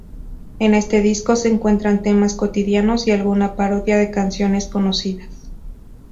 En este disco, se encuentran temas cotidianos y alguna parodia de canciones conocidas.